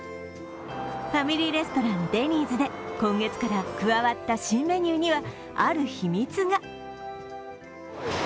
ファミリーレストラン、デニーズで今月から加わった新メニューにはある秘密が。